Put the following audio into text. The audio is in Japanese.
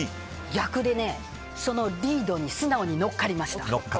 逆で、そのリードに素直に乗っかりました。